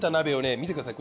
見てください。